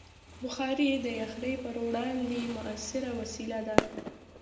بخاري د یخنۍ پر وړاندې مؤثره وسیله ده.